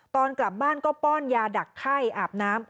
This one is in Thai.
ตอนกลับบ้านก็ป้อนยาดักไข้อาบน้ำ